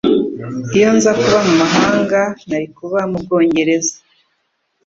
Iyo nza kuba mu mahanga, nari kuba mu Bwongereza.